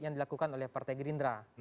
yang dilakukan oleh partai gerindra